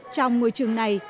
trong ngôi trường này